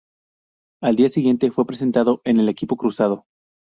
Al día siguiente fue presentado en el equipo cruzado.